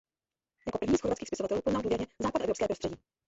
Jako první z chorvatských spisovatelů poznal důvěrně západoevropské prostředí.